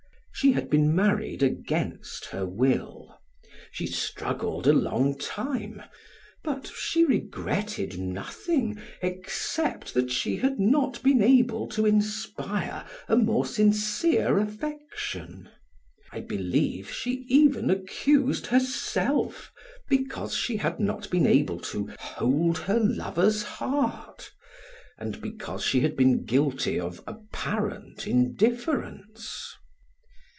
She had been married against her will; she struggled a long time; but she regretted nothing except that she had not been able to inspire a more sincere affection. I believe she even accused herself because she had not been able to hold her lover's heart, and because she had been guilty of apparent indifference.